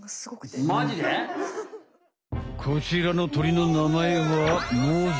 こちらの鳥の名前はモズ。